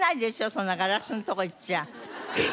そんなガラスの所行っちゃ。